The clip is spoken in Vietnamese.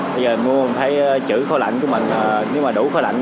bây giờ mua mình thấy chữ khô lạnh của mình là nếu mà đủ khô lạnh